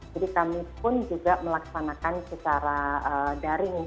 jadi kami pun juga melaksanakan secara daring